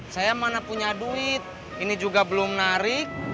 saya mana punya duit ini juga belum narik